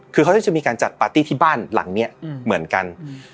คือเขาจะมีการจัดปาร์ตี้ที่บ้านหลังนี้เหมือนกัน